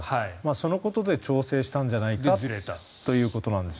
そのことで調整したんじゃないかということです。